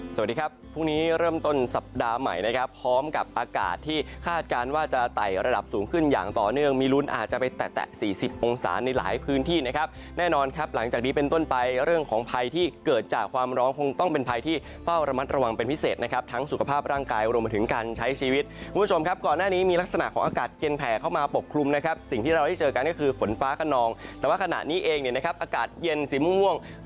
สวัสดีครับพรุ่งนี้เริ่มต้นสัปดาห์ใหม่นะครับพร้อมกับอากาศที่คาดการณ์ว่าจะไต่ระดับสูงขึ้นอย่างต่อเนื่องมีลุ้นอาจจะไปแตะ๔๐องศาในหลายพื้นที่นะครับแน่นอนครับหลังจากนี้เป็นต้นไปเรื่องของภัยที่เกิดจากความร้องคงต้องเป็นภัยที่เป้าระมัดระวังเป็นพิเศษนะครับทั้งสุขภาพร่างกายรว